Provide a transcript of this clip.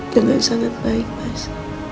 dengan sangat baik mas